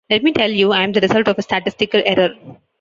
Let me tell you, I'm the result of a statistical error.